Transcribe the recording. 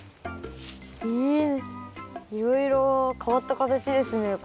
えっいろいろ変わった形ですね